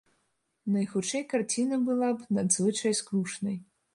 Найхутчэй, карціна была б надзвычай скрушнай.